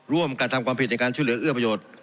ร่วมกระทำความผิดในการช่วยเหลือเอื้อประโยชน์